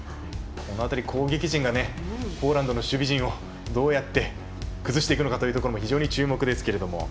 この辺り、攻撃陣がポーランドの守備陣をどうやって崩していくのかというところも非常に注目ですけど。